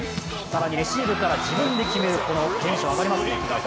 更にレシーブから自分で決める、テンション上がりますね。